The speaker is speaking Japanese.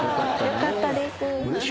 よかったです。